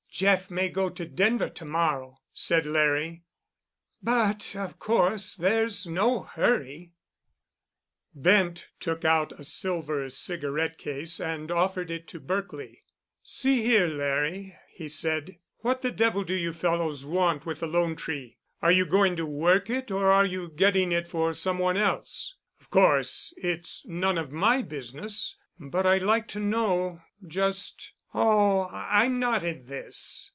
"Jeff may go to Denver to morrow," said Larry, "but of course there's no hurry——" Bent took out a silver cigarette case and offered it to Berkely. "See here, Larry," he said, "what the devil do you fellows want with the 'Lone Tree'? Are you going to work it, or are you getting it for some one else? Of course, it's none of my business—but I'd like to know, just——" "Oh, I'm not in this.